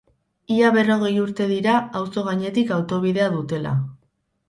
Ia berrogei urte dira auzo gainetik autobidea dutela.